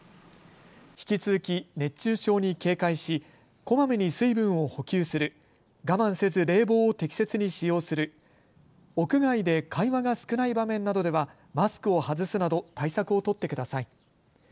引き続き熱中症に警戒しこまめに水分を補給する、我慢せず冷房を適切に使用する、屋外で会話が少ない場面などではマスクを外すなど対策を取ってください。